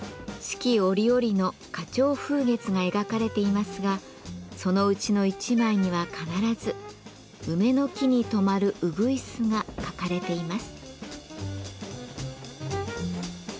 四季折々の花鳥風月が描かれていますがそのうちの１枚には必ず梅の木にとまるうぐいすが描かれています。